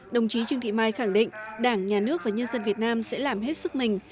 đồng chí trương thị mai khẳng định đảng nhà nước và nhân dân việt nam sẽ làm hết sức mình